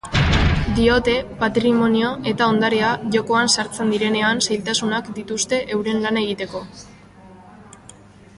Diote, patrimonio eta ondarea jokoan sartzen direnean zailtasunak dituzte euren lana egiteko.